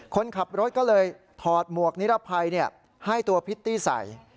คนขับรถก็เลยถอดหมวกนิรภัยให้ตัวพิตตี้ใส่